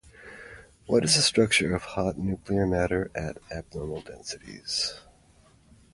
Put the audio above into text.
What is the structure of hot nuclear matter at abnormal densities?